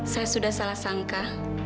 saya sudah salah sangka